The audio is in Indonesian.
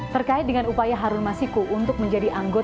terkait dengan upaya harun masiku untuk mencari kemampuan